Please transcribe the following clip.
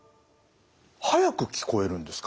速く聞こえるんですか？